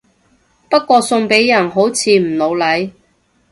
不過送俾人好似唔老嚟